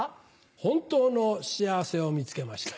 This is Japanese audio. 本当の幸せを見つけました。